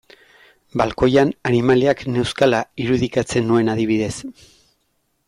Balkoian animaliak neuzkala irudikatzen nuen adibidez.